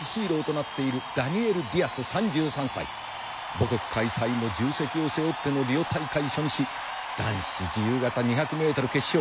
母国開催の重責を背負ってのリオ大会初日男子自由形２００ｍ決勝。